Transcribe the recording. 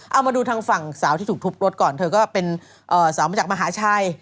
เอามาดูทางฝั่งสาวที่ถูกทุบรถก่อนเธอก็เป็นสาวมาจากมหาชัย